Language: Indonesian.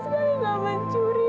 milla nggak mencuri